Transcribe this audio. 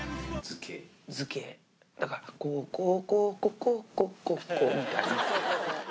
だから、こーこーこーここーここーみたいな。